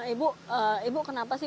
ibu kenapa sih